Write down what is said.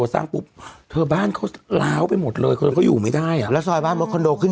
สร้างปุ๊บเธอบ้านเขาล้าวไปหมดเลยคนเขาอยู่ไม่ได้อ่ะแล้วซอยบ้านรถคอนโดขึ้น